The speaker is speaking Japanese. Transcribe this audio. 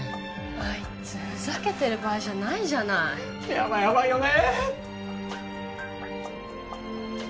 あいつふざけてる場合じゃないじゃない深山ヤバイよね